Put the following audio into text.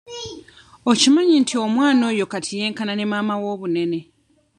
Okimanyi nti omwana oyo kati yenkana ne maama we obunene?